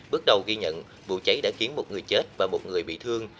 bước đầu ghi nhận vụ cháy đã khiến một người chết và một người bị thương